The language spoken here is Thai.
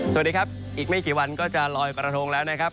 สวัสดีครับอีกไม่กี่วันก็จะลอยกระทงแล้วนะครับ